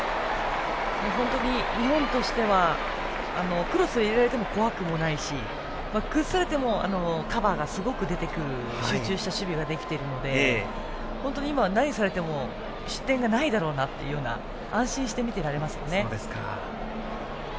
本当に日本としてはクロスを入れられても怖くもないし崩されてもカバーがすごく出てくる集中した守備ができているので本当に今、何をされても失点がないだろうなと安心して見ていられますよね。